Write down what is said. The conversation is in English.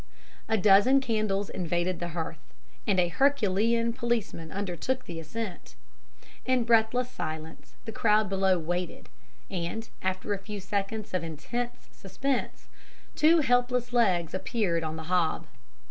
"A dozen candles invaded the hearth, and a herculean policeman undertook the ascent. In breathless silence the crowd below waited, and, after a few seconds of intense suspense, two helpless legs appeared on the hob.